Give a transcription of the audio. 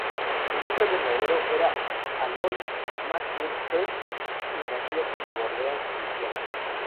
Su nombre verdadero era Alois Maxwell Hirt, y nació en Nueva Orleans, Luisiana.